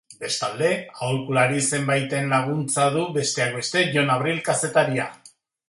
Bestalde, aholkulari zenbaiten laguntza du, besteak beste Jon Abril kazetaria.